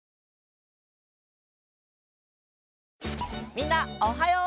みんなおはよう！